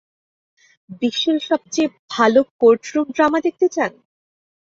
বিশ্বের সবচেয়ে ভালো কোর্টরুম ড্রামা দেখতে চান?